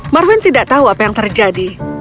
marven tidak tahu apa yang terjadi